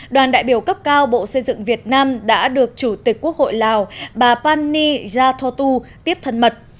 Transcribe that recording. đoàn đại biểu cấp cao bộ xây dựng việt nam đã được chủ tịch quốc hội lào bà pani yathotu tiếp thân mật